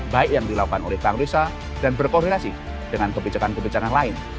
baik yang dilakukan oleh bank risa dan berkoordinasi dengan kebijakan kebijakan lain